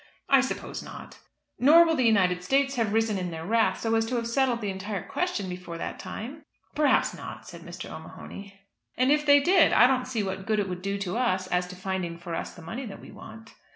"I suppose not." "Nor will the United States have risen in their wrath so as to have settled the entire question before that time?" "Perhaps not," said Mr. O'Mahony. "And if they did I don't see what good it would do to us as to finding for us the money that we want."